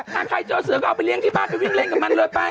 ถ้าใครเจอเสือก็เอาไปเลี้ยที่บ้านไปวิ่งเล่นกับมันเลยไป